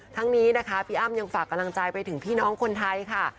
ทั้งนี้นะคะพี่อ้ำยังฝากกำลังใจไปถึงพี่น้องคนไทยค่ะ